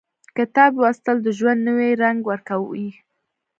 • کتاب لوستل، د ژوند نوی رنګ ورکوي.